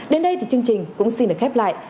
đến đây thì chương trình cũng xin được khép lại